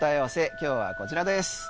今日はこちらです。